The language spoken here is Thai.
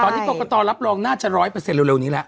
ตอนนี้ก็ต้องรองต่อรับรองน่าจะร้อยเปอร์เซ็นต์เร็วนี้ละ